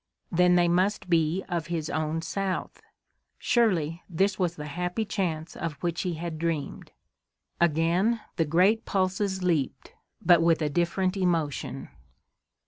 Then they must be of his own South. Surely this was the happy chance of which he had dreamed! Again the great pulses leaped, but with a different emotion.